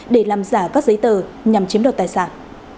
để làm giả các giấy tờ nhằm chiếm đoạt tài sản